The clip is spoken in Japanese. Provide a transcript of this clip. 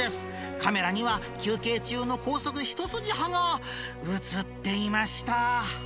カメラには休憩中の高速一筋派が写っていました。